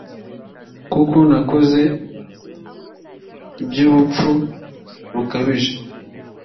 kuko nakoze iby ubupfu bukabije